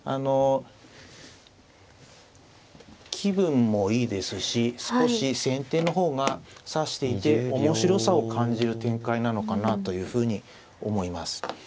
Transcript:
気分もいいですし少し先手の方が指していて面白さを感じる展開なのかなというふうに思います。